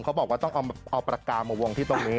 เขาบอกว่าต้องเอาปากกามาวงที่ตรงนี้